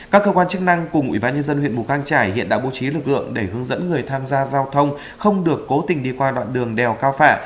các cơ quan chức năng cùng ủy ban nhân dân huyện mù căng trải hiện đã bố trí lực lượng để hướng dẫn người tham gia giao thông không được cố tình đi qua đoạn đường đèo cao phạ